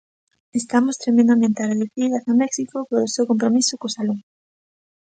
Estamos tremendamente agradecidas a México polo seu compromiso co salón.